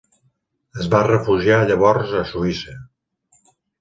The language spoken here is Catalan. Es va refugiar llavors a Suïssa.